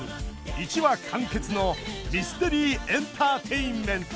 １話完結のミステリー・エンターテインメント！